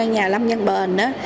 nhà lâm nhân bền